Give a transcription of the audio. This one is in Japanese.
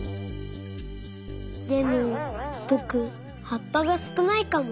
でもぼくはっぱがすくないかも。